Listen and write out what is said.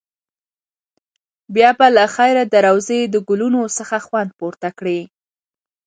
بیا به له خیره د روضې د ګلونو څخه خوند پورته کړې.